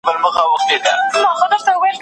دا ږیره لرونکی سړی تر نورو ژر ډوډۍ او مڼه راوړي.